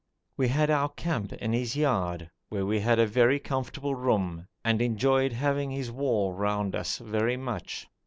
We had our camp in his yard, where we had a very comfortable room, and enjoyed having his wall round us very much.